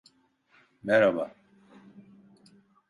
Meraba…